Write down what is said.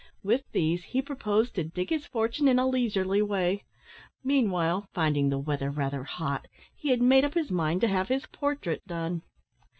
With these he proposed to dig his fortune in a leisurely way; meanwhile, finding the weather rather hot, he had made up his mind to have his portrait done.